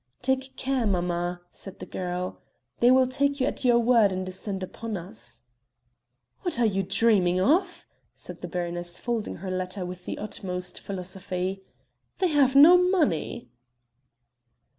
"Take care, mamma," said the girl, "they will take you at your word and descend upon us." "What are you dreaming of?" said the baroness folding her letter with the utmost philosophy; "they have no money."